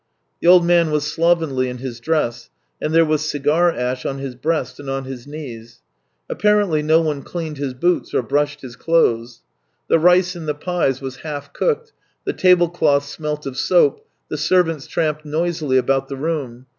The old man was slovenly in his dress, and there was cigar ash on his breast and on his knees apparently no one cleaned his boots, or brushed 302 THE TALES OF TCHEHOV his clothes. 'The rice in the pies was half cooked, the tablecloth smelt of soap, the servants tramped noisily about the room.